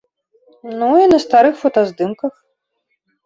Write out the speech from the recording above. Ну і на старых фотаздымках.